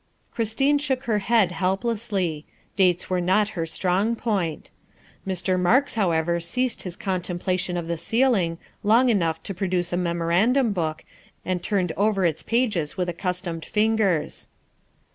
Christine shook her head helplessly; dates were not her strong point. Mr. Marks, however, ceased his con templation of the ceiling long enough to produce a memorandum book and turned over its pages with accus tomed fingers.